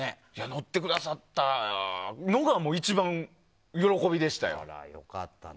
乗ってくださったのが一番喜びでしたね。